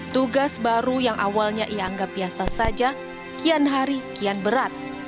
tugas baru yang awalnya ia anggap biasa saja kian hari kian berat